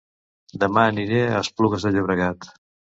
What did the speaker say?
Dema aniré a Esplugues de Llobregat